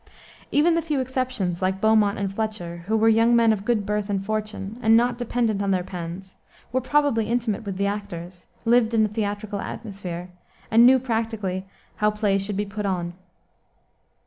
Even the few exceptions, like Beaumont and Fletcher, who were young men of good birth and fortune, and not dependent on their pens, were probably intimate with the actors, lived in a theatrical atmosphere, and knew practically how plays should be put on.